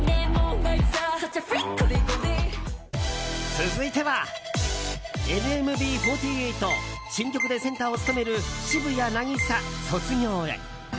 続いてはＮＭＢ４８新曲でセンターを務める渋谷凪咲、卒業へ。